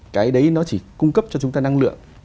cái đấy nó chỉ cung cấp cho chúng ta năng lượng